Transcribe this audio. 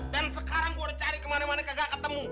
dan sekarang gue udah cari kemana mana gak ketemu